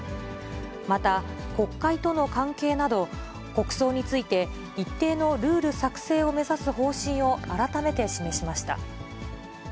また、国会との関係など、国葬について一定のルール作成を目指す方針を改めて示しました。